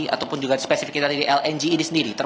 ataupun juga spesifik dari lng ini sendiri